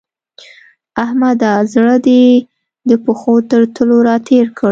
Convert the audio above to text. احمده! زړه دې د پښو تر تلو راتېر کړ.